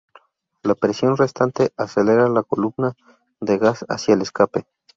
La presión restante acelera la columna de gas hacia el escape.